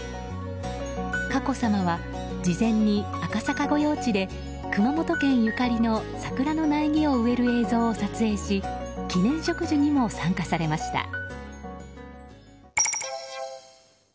佳子さまは事前に赤坂御用地で熊本県ゆかりの桜の苗木を植える映像を撮影し記念植樹にも参加されました。